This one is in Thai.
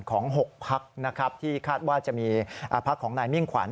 ๖พักนะครับที่คาดว่าจะมีพักของนายมิ่งขวัญ